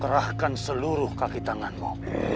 kerahkan seluruh kaki tanganmu